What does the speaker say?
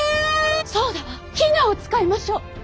そうだわ比奈を使いましょう。